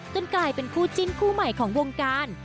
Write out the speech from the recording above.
กลายเป็นคู่จิ้นคู่ใหม่ของวงการ